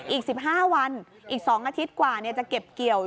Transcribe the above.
อีก๑๕วันอีก๒อาทิตย์กว่าจะเก็บเกี่ยว